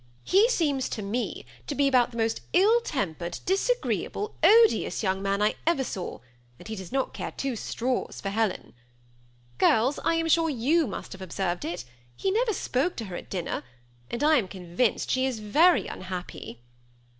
He seems to me to be about the most ill tempered, disagreeable, odious, young man I ever saw ; and he does not care two straws for Helen. Girls, I am sure you must have observed it : he never spoke to her at dinner, and I am convinced she is very unhappy."